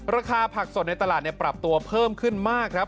ราคาผักสดในตลาดปรับตัวเพิ่มขึ้นมากครับ